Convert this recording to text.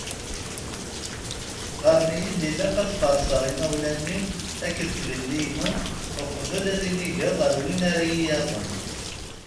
Qqaren-iyi-d ilaq ad farseɣ imawlan-iw akked d tlelli-inu uqbel ad inigeɣ ɣer win ara iyi-yaɣen.